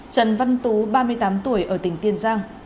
trần văn tú ba mươi tám tuổi ở tỉnh kiên giang